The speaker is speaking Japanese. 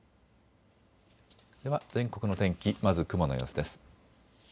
では全国の天気、まず雲の様子です。